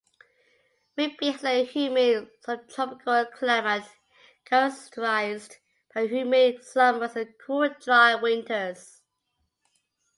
McBee has a humid subtropical climate, characterized by humid summers and cool dry winters.